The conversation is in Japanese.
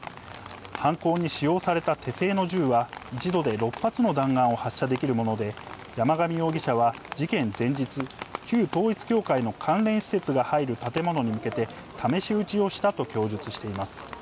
犯行に使用された手製の銃は、一度で６発の弾丸を発射できるもので、山上容疑者は事件前日、旧統一教会の関連施設が入る建物に向けて、試し撃ちをしたと供述しています。